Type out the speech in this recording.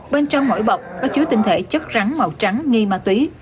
bên trong mỗi bọc có chứa tinh thể chất rắn màu trắng nghi ma túy